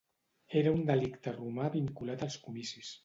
Era un delicte romà vinculat als comicis.